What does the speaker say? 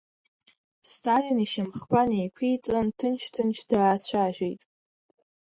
Сталин ишьамхқәа неиқәиҵан, ҭынч-ҭынч даацәажәеит…